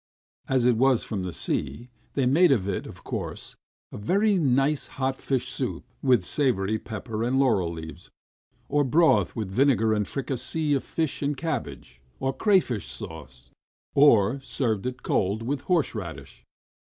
As it was from the sea they made of it, of course, a very nice hot fish soup with savoury pepper and laurel leaves, or broth with vinegar and fricassee of fish and cabbage, or crayfish sauce, or served it cold with horse radish.